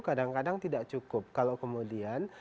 kadang kadang tidak cukup kalau kemudian